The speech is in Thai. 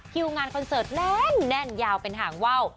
คิวงานคอนเสิร์ตแน่นยาวเป็นห่างว่าว